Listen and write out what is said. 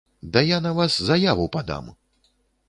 Да я на вас заяву падам!!!